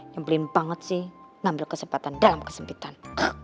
nyemplin banget sih ngambil kesempatan dalam kesempitan